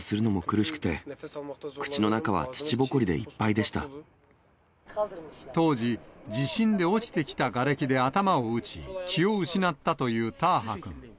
体じゅうが痛く、息をするのも苦しくて、口の中は土ぼこりでいっ当時、地震で落ちてきたがれきで頭を打ち、気を失ったというターハ君。